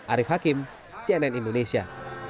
arief hakim cnn indonesia